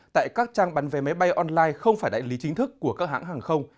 tại các trang bán vé máy bay online không phải đại lý chính thức của các hãng hàng không